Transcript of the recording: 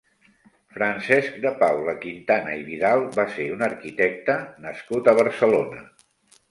Francesc de Paula Quintana i Vidal va ser un arquitecte nascut a Barcelona.